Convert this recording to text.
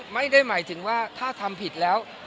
ไม่ได้หมายถึงว่าถ้าทำผิดแล้ว